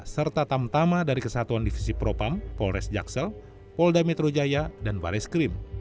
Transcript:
serta tamtama dari kesatuan divisi propam polres jaksel polda metro jaya dan baris krim